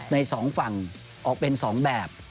ในสองฝั่งออกเป็นสองแบบ